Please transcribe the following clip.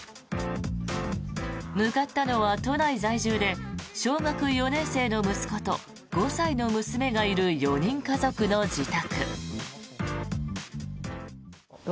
向かったのは都内在住で小学４年生の息子と５歳の娘がいる４人家族の自宅。